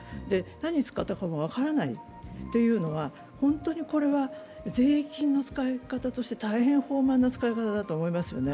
何に使ったかが分からないというのは、本当にこれは税金の使い方として大変放漫な使い方だと思いますよね。